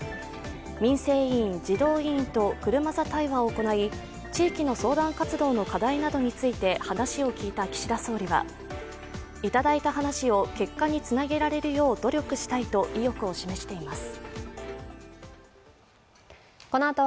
民生委員、児童委員と車座対話を行い、地域の相談活動の課題などについて話を聞いた岸田総理は頂いた話を結果につなげられるよう努力したいと意欲を示しています。